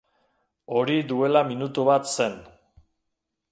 Hori duela minutu bat zen.